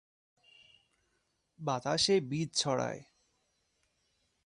বাতাসে বীজ ছড়ায়।